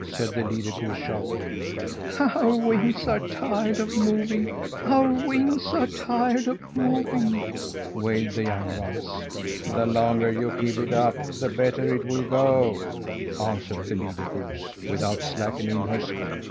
said the leader goose sharply. "Our wings are tired of moving, our wings are tired of moving!" wailed the young ones. "The longer you keep it up, the better it will go," answered the leader goose, without slackening her speed.